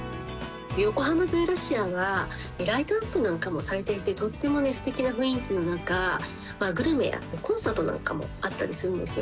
よこはまズーラシアは、ライトアップなんかもされていて、とってもすてきな雰囲気の中、グルメやコンサートなんかもあったりするんですよ。